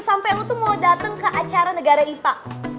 sampai lu tuh mau dateng ke acara negara ipa